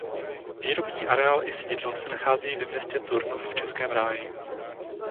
Výrobní areál i sídlo se nacházejí ve městě Turnov v Českém ráji.